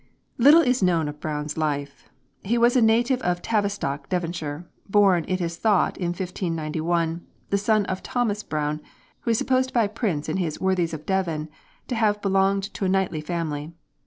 Little is known of Browne's life. He was a native of Tavistock, Devonshire; born, it is thought, in 1591, the son of Thomas Browne, who is supposed by Prince in his 'Worthies of Devon' to have belonged to a knightly family.